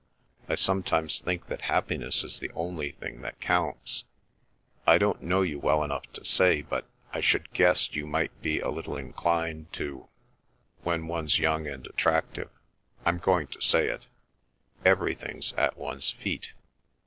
I sometimes think that happiness is the only thing that counts. I don't know you well enough to say, but I should guess you might be a little inclined to—when one's young and attractive—I'm going to say it!—_every_thing's at one's feet."